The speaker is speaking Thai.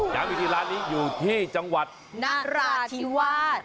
ย้านวิทยาลานี้อยู่ที่จังหวัดนาราธิวาส